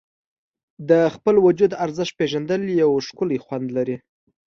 د خپل وجود ارزښت پېژندل یو ښکلی خوند لري.